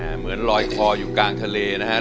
เหมือนลอยคออยู่กลางทะเลนะครับ